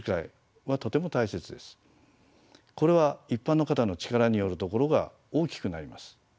これは一般の方の力によるところが大きくなります。